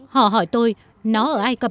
họ hỏi tôi nó ở ai cập à